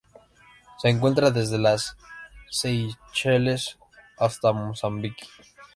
Se encuentra desde las Seychelles hasta Mozambique.